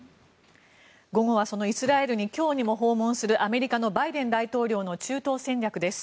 午後はそのイスラエルに今日にも訪問するアメリカのバイデン大統領の中東戦略です。